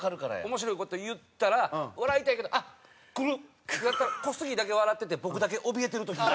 面白い事言ったら笑いたいけどあっくる！ってなったら小杉だけ笑ってて僕だけおびえてる時がある。